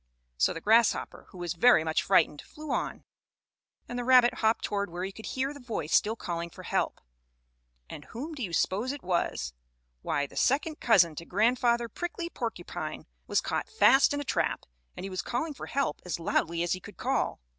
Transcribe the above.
So the grasshopper, who was very much frightened, flew on, and the rabbit hopped toward where he could hear the voice still calling for help. And whom do you s'pose it was? Why, the second cousin to Grandfather Prickly Porcupine was caught fast in a trap, and he was calling for help as loudly as he could call.